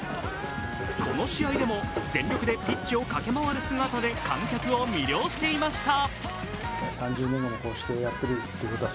この試合でも全力でピッチを駆け回る姿で観客を魅了していました。